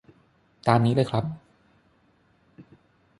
ตามนี้เลยครับ